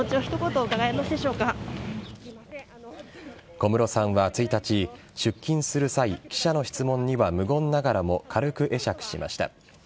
小室さんは１日、出勤する際記者の質問には無言ながらも軽く会釈しました。